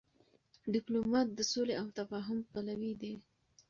ډيپلومات د سولي او تفاهم پلوی دی.